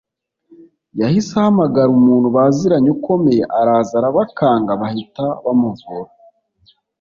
yahise ahamagara umuntu baziranye ukomeye araza arabakanga bahita bamuvura